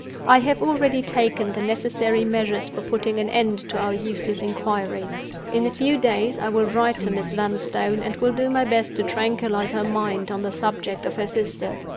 "I have already taken the necessary measures for putting an end to our useless inquiries. In a few days I will write to Miss Vanstone, and will do my best to tranquilize her mind on the subject of her sister.